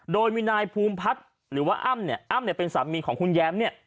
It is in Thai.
โดยมีนายภูมิพัฒน์หรือว่าอ้ำเนี่ยอ้ำเนี่ยเป็นสามีของคุณแย้มเนี่ย